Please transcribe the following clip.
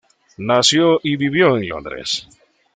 Nació y vivió en Londres.